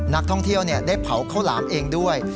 นักท่องเที่ยวได้เผาข้าวหลามเองด้วย